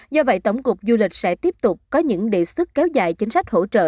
do vậy tổng cục du lịch sẽ tiếp tục có những đề xuất kéo dài chính sách hỗ trợ